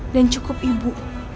dan cukup ibu